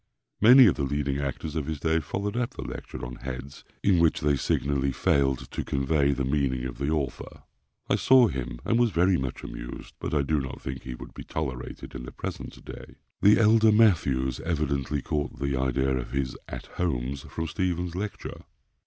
Many of the leading actors of his day followed up the lecture on "Heads," in which they signally failed to convey the meaning of the author. I saw him, and was very much amused; but I do not think he would be tolerated in the present day. The elder Mathews evidently caught the idea of his "At Homes" from Stephens's lecture.